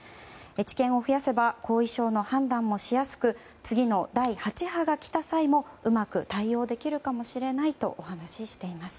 知見を増やせば後遺症の判断もしやすく次の第８波が来た際もうまく対応できるかもしれないとお話ししています。